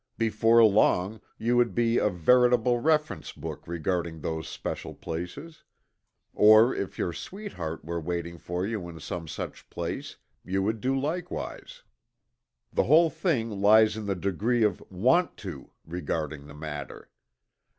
Before long you would be a veritable reference book regarding those special places. Or, if your sweetheart were waiting for you in some such place, you would do likewise. The whole thing lies in the degree of "want to" regarding the matter.